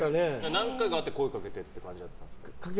何回か会って声掛けてっていう感じだったんですか。